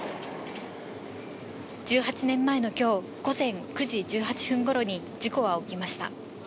１８年前の今日、午前９時１８分頃に事故は起きました。